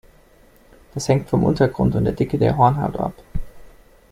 Das hängt vom Untergrund und der Dicke der Hornhaut ab.